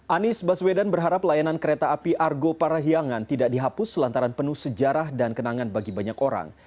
anies baswedan berharap layanan kereta api argo parahiangan tidak dihapus selantaran penuh sejarah dan kenangan bagi banyak orang